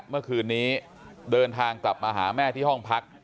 เมื่อคืนนี้เดินทางกลับมาหาแม่ที่ห้องพัก